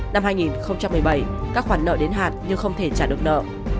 năm hai nghìn một mươi bảy các khoản nợ đến hạn nhưng không thể trả được nợ